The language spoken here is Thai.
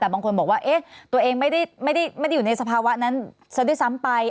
แต่บางคนบอกว่าตัวเองไม่ได้อยู่ในสภาวะนั้นซะด้วยซ้ำไป